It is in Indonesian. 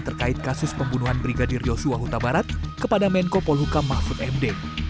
terkait kasus pembunuhan brigadir yosua huta barat kepada menko polhukam mahfud md